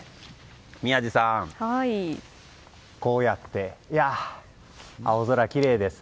宮司さん、こうやって青空きれいです。